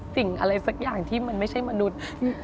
ตีสี่ตีห้าเลย